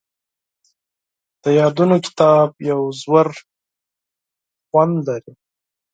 د یادونو کتاب یو ژور خوند لري.